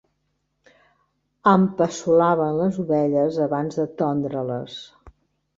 Empeçolaven les ovelles abans de tondre-les.